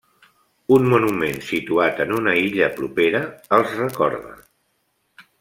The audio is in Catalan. Un monument situat en una illa propera els recorda.